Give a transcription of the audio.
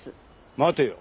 待てよ。